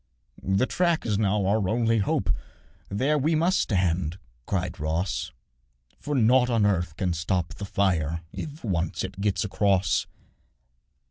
'The track is now our only hope, There we must stand,' cried Ross, 'For nought on earth can stop the fire If once it gets across.'